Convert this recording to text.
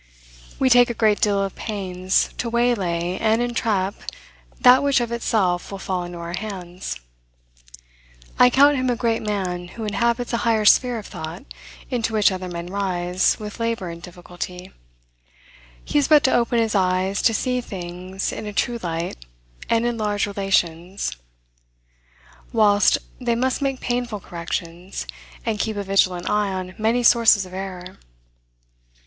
We take a great deal of pains to waylay and entrap that which of itself will fall into our hands. I count him a great man who inhabits a higher sphere of thought, into which other men rise with labor and difficulty; he has but to open his eyes to see things in a true light, and in large relations; whilst they must make painful corrections, and keep a vigilant eye on many sources of error.